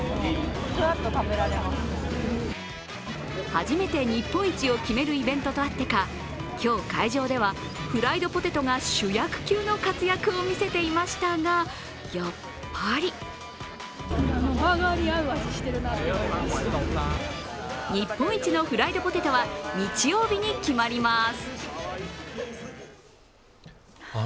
初めて日本一を決めるイベントとあってか今日、会場ではフライドポテトが主役級の活躍を見せていましたがやっぱり日本一のフライドポテトは日曜日に決まります。